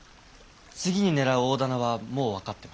次に狙う大店はもう分かってます。